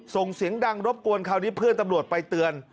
ส่งเสียงดังรบกวนคราวนี้เพื่อนตำรวจไปเตือน